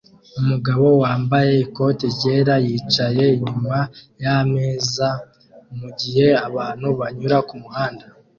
Umugabo wambaye ikote ryera yicaye inyuma yameza mugihe abantu banyura kumuhanda